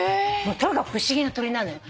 とにかく不思議な鳥なのよ。